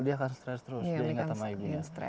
dia akan stress terus dia ingat sama ibunya